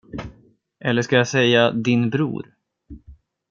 Eller ska jag säga "din bror"?